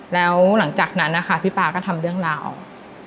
แล้วหลังจากนั้นนะคะพี่ป๊าก็ทำเรื่องราว